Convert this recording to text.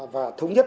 và thống nhất